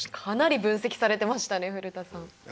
かなり分析されてましたね古田さん。